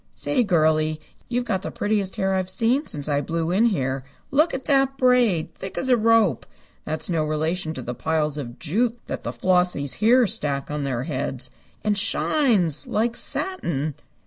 Say, girlie, you've got the prettiest hair I've seen since I blew in here. Look at that braid! Thick as a rope! That's no relation to the piles of jute that the Flossies here stack on their heads. And shines! Like satin."